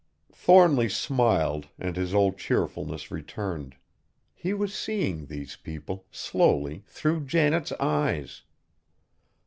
Thornly smiled and his old cheerfulness returned. He was seeing these people, slowly, through Janet's eyes.